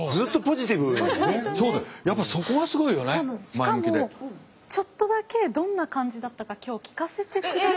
しかもちょっとだけどんな感じだったか今日聞かせてくださる。